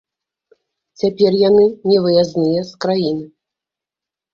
Цяпер яны невыязныя з краіны.